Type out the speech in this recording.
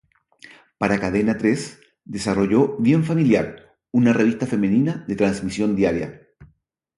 Para Cadena Tres, desarrolló "Bien Familiar", una revista femenina de transmisión diaria.